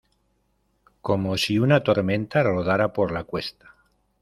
Como si una tormenta rodara por la cuesta.